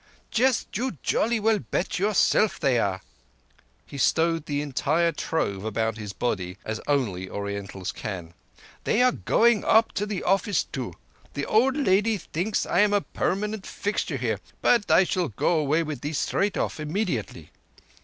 "Just you jolly well bet yourself they are." He stowed the entire trove about his body, as only Orientals can. "They are going up to the office, too. The old lady thinks I am permanent fixture here, but I shall go away with these straight off—immediately.